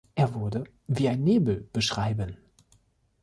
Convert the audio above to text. Er wurde "wie ein Nebel" beschreiben.